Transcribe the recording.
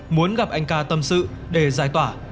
muốn gặp anh ca tâm sự để giải tỏa